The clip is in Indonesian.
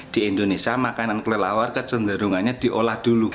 di indonesia makanan kelelawar kecenderungannya diolah dulu